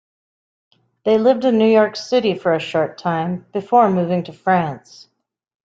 They lived in New York City for a short time, before moving to France.